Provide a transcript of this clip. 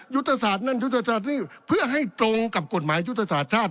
ยุทธศาสตร์นั่นยุทธศาสตร์นี่เพื่อให้ตรงกับกฎหมายยุทธศาสตร์ชาติ